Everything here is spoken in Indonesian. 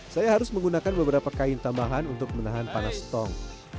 saya harus menggunakan beberapa kain tambahan untuk menahan panas tong